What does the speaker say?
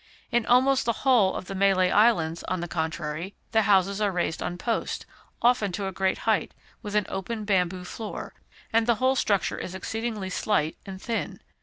In almost the whole of the Malay Islands, on the contrary, the houses are raised on posts, often to a great height, with an open bamboo floor; and the whole structure is exceedingly slight and thin.